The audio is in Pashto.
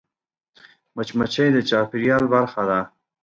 مچمچۍ د چاپېریال برخه ده